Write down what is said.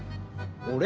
俺？